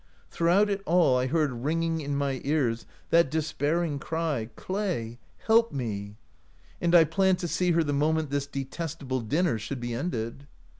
"Through it all I heard ringing in my ears that despairing cry, ' Clay, help me !' and I planned to see her the moment this detestable dinner should be ended.